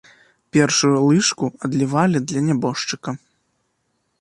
Першую лыжку адлівалі для нябожчыка.